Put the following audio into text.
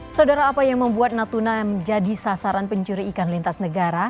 saudara apa yang membuat natuna menjadi sasaran pencuri ikan lintas negara